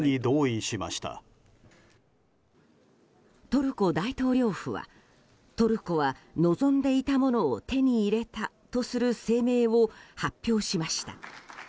トルコ大統領府はトルコは望んでいたものを手に入れたとする声明を発表しました。